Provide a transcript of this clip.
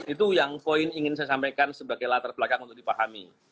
itu yang poin ingin saya sampaikan sebagai latar belakang untuk dipahami